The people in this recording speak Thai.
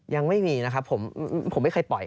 ยังไม่มีนะครับผมไม่เคยปล่อย